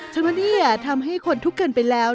ฉันว่าเนี่ยทำให้คนทุกข์กันไปแล้ว